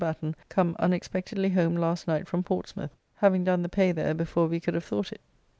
Batten come unexpectedly home last night from Portsmouth, having done the Pay there before we could have, thought it.